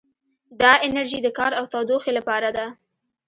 دا انرژي د کار او تودوخې لپاره ده.